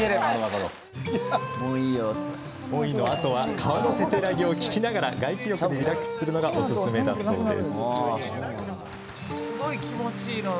川のせせらぎを聞きながら外気浴でリラックスするのがおすすめだそうです。